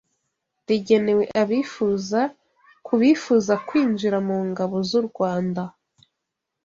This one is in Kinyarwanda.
rigenewe abifuza ku bifuza kwinjira mu ngabo z’u Rwanda